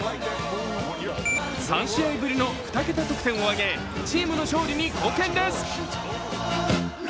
３試合ぶりの２桁得点を挙げチームの勝利に貢献です。